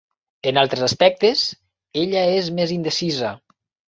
En altres aspectes, ella és més indecisa.